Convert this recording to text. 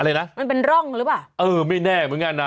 อะไรนะมันเป็นร่องหรือเปล่าเออไม่แน่เหมือนกันนะ